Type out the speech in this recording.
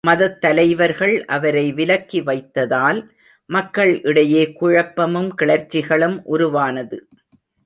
மதத்தலைவர்கள் அவரை விலக்கி வைத்ததால் மக்கள் இடையே குழப்பமும் கிளர்ச்சிகளும் உருவானது.